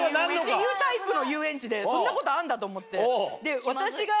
っていうタイプの遊園地でそんなことあるんだと思って。